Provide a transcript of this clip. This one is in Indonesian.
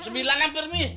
jam sembilan hampir mi